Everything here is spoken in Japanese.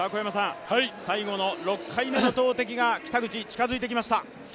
最後の６回目の投てきが北口、近づいてきました。